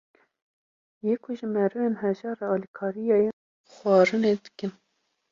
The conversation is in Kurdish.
yê ku ji merivên hejar re alîkariya xwarinê dikin